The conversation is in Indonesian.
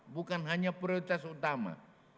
bukan hanya prioritas utama